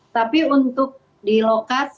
tapi untuk di lokal